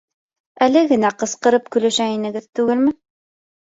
Әле генә ҡысҡырып көлөшә инегеҙ түгелме?